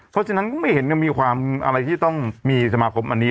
เพราะฉะนั้นก็ไม่เห็นยังมีความอะไรที่ต้องมีสมาคมอันนี้